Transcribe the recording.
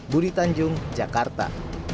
budi tanjung jakarta